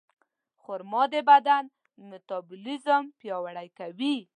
خرما د بدن میتابولیزم پیاوړی کوي.